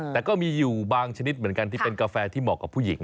แต่ก็มีอยู่บางชนิดเหมือนกันที่เป็นกาแฟที่เหมาะกับผู้หญิง